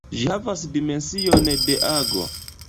Ĝi havas dimension de ago.